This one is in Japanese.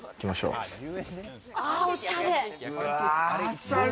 おしゃれ！